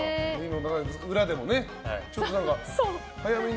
裏でもね、ちょっと早めに。